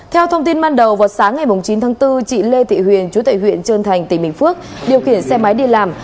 theo thông tin ban đầu vào sáng ngày chín tháng bốn chị lê thị huyền chú tại huyện trơn thành tỉnh bình phước điều khiển xe máy đi làm